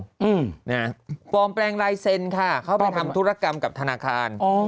อืมนะฮะปลอมแปลงลายเซ็นต์ค่ะเข้าไปทำธุรกรรมกับธนาคารอ๋อ